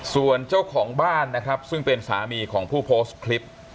ส่วนเจ้าของบ้านซึ่งเป็นสามีผู้โพสต์คลิป